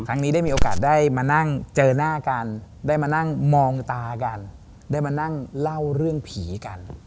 ได้มีโอกาสได้มานั่งเจอหน้ากันได้มานั่งมองตากันได้มานั่งเล่าเรื่องผีกัน